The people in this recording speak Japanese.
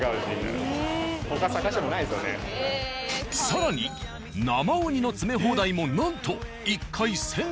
更に生うにの詰め放題もなんと１回１、０８０円。